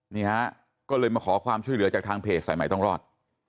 นี่ฮะก็เลยมาขอความช่วยเหลือจากทางเพจสายใหม่ต้องรอด